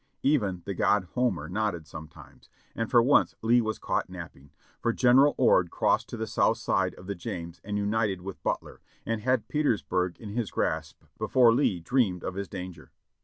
Even the god Homer nodded sometimes, and for once Lee was caught napping, for General Ord crossed to the south side of the James and united with Butler, and had Petersburg in his grasp before Lee dreamed of his danger.